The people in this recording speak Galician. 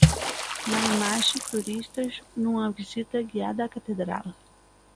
Na imaxe, turistas nunha visita guiada á catedral.